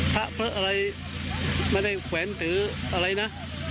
ถ้าเปลื้ออะไรไม่ได้แขวนถืออะไรนะ